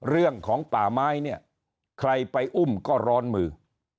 เรื่องของป่าไม้เนี่ยใครไปอุ้มก็ร้อนมือ